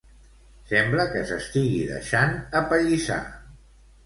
Sembla que s'estigui deixant apallissar.